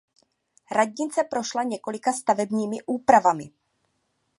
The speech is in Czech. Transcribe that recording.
Radnice prošla několika stavebními úpravami.